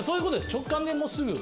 直感ですぐ。